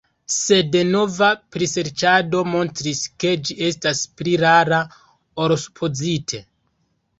Sed nova priserĉado montris, ke ĝi estas pli rara ol supozite.